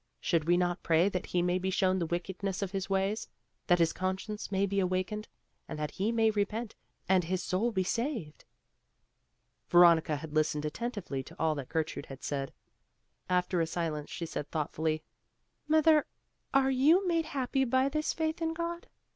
Should not we pray that he may be shown the wickedness of his ways, that his conscience may be awakened and that he may repent and his soul be saved?" Veronica had listened attentively to all that Gertrude had said. After a silence she said thoughtfully, "Mother, are you made happy by this faith in God?"